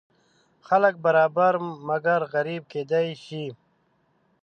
خلک برابر مګر غریب کیدی شي.